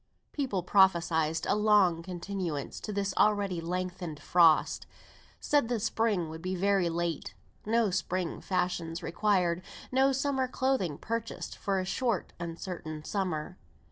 People prophesied a long continuance to this already lengthened frost; said the spring would be very late; no spring fashions required; no summer clothing purchased for a short uncertain summer.